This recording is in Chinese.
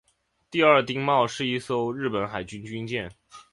第二丁卯是一艘日本海军军舰。